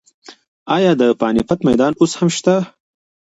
ایا د پاني پت میدان اوس هم شته؟